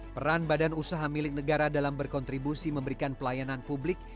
peran badan usaha milik negara dalam berkontribusi memberikan pelayanan publik